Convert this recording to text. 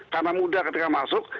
karena muda ketika masuk